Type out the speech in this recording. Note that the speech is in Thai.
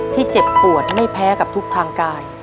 เจ็บปวดไม่แพ้กับทุกทางกาย